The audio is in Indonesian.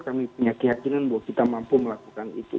kami punya keyakinan bahwa kita mampu melakukan itu